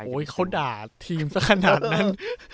เขาด่าทีมสักขนาดนั้น